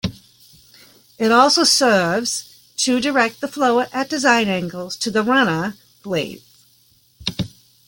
It also serves to direct the flow at design angles to the runner blades.